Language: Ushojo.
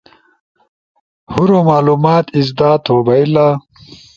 ہورو معلومات ازدا تھو بھئیلا